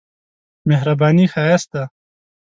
مهرباني ښايست ده.